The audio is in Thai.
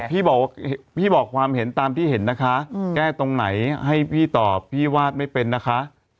พี่บอกว่าพี่บอกความเห็นตามที่เห็นนะคะแก้ตรงไหนให้พี่ตอบพี่วาดไม่เป็นนะคะ